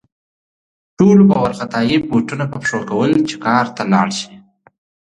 ټولو په وارخطايي بوټونه په پښو کول چې کار ته لاړ شي